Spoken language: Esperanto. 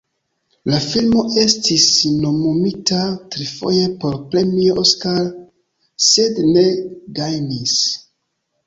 La filmo estis nomumita trifoje por Premio Oskar, sed ne gajnis.